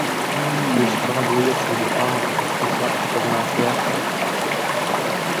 Uz kādu liecību pamata tas tiks apstiprināts vai atteikts?